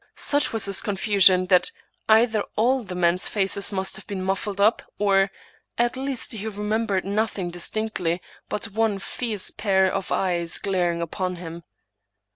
Such was his confusion, that either all the men's faces must have been mufHed up, or at least he remembered nothing distinctly but one fierce pair of eyes glaring upon him.